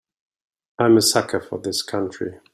I'm a sucker for this country.